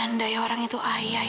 andai orang itu ayah ya allah